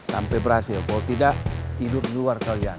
sampai berhasil kalau tidak tidur di luar kalian